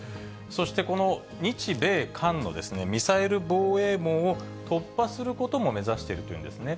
そして、この日米韓のミサイル防衛網を突破することも目指しているというんですね。